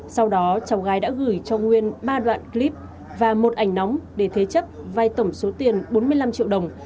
sau đó cháu gái đã gửi cho nguyên ba đoạn clip và một ảnh nóng để thế chấp vai tổng số tiền bốn mươi năm triệu đồng